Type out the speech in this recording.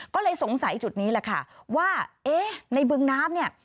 ก็เลยสงสัยจุดนี้แหละค่ะว่าเอ๊ะในบึงน้ำเนี่ย